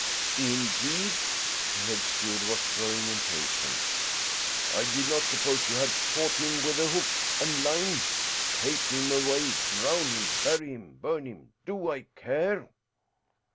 "Indeed?" The head steward was growing impatient. "I did not suppose you had caught him with a hook and line. Take him away. Drown him. Bury him. Burn him. Do I care?"